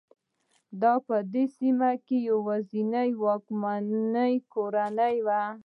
دا په دې سیمه کې یوازینۍ واکمنه کورنۍ وه.